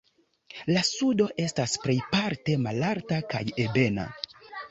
La sudo estas plejparte malalta kaj ebena.